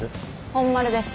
本丸です。